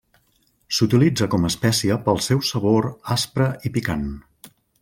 S'utilitza com espècia pel seu sabor aspre i picant.